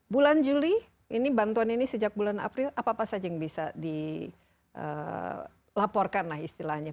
bulan juli ini bantuan ini sejak bulan april apa apa saja yang bisa dilaporkan lah istilahnya